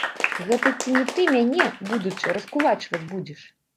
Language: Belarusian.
Гэта ці не ты мяне, будучы, раскулачваць будзеш?